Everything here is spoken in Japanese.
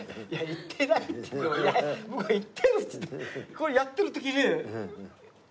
これやってる時に。